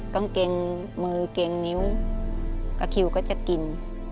กางเกงมือเกงนิ้วกับคิวก็จะกิน